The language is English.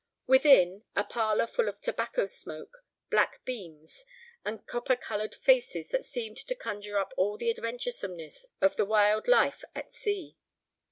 Within, a parlor full of tobacco smoke, black beams, and copper colored faces that seemed to conjure up all the adventuresomeness of the wild life of the sea.